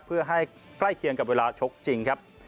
เพื่อให้ใกล้เคียงกับเวลาชกจริงครับ